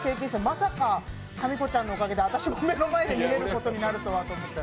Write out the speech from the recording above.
まさかかみこちゃんのおかげで私も目の前で見れることになるとは。